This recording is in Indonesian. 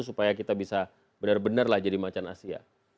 supaya kita bisa benar benar lah jadi macan asia